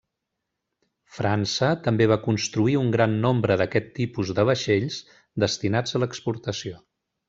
França també va construir un gran nombre d'aquest tipus de vaixells destinats a l'exportació.